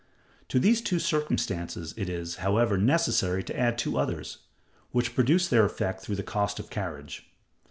To these two circumstances it is, however, necessary to add two others, which produce their effect through cost of carriage.